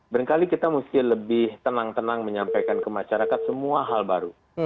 berkali kita mesti lebih tenang tenang menyampaikan ke masyarakat semua hal baru